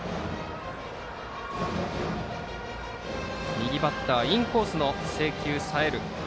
右バッターのインコースへの制球がさえる